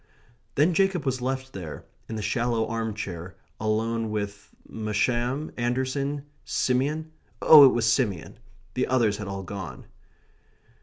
Then Jacob was left there, in the shallow arm chair, alone with Masham? Anderson? Simeon? Oh, it was Simeon. The others had all gone.